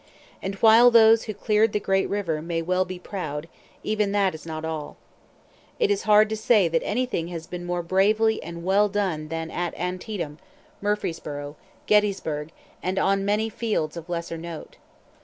And while those who cleared the great river may well be proud, even that is not all. It is hard to say that anything has been more bravely and well done than at Antietam, Murfreesboro, Gettysburg, and on many fields of lesser note.